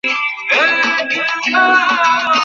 সেখানকার রোগীরা হাসপাতালের খাবার খুব আগ্রহ করে খায়।